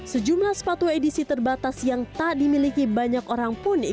sejumlah sepatu edisi terbatas yang tak dimiliki banyak orang pun